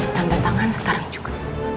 tanda tangan sekarang juga